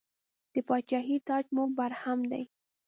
د پاچاهۍ تاج مو برهم دی.